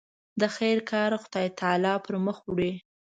د خیر کار خدای تعالی پر مخ وړي.